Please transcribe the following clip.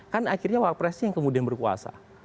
kan akhirnya wapres nya yang kemudian berkuasa